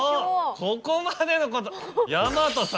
ここまでのこと。